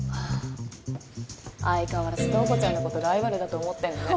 相変わらず塔子ちゃんのことライバルだと思ってんのね